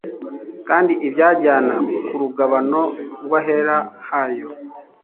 kandi ibajyana ku rugabano rw'ahera hayo